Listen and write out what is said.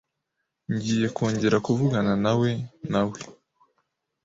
Ngiye kongera kuvuganawe nawe .